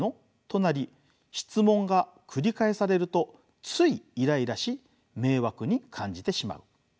となり質問が繰り返されるとついイライラし迷惑に感じてしまう。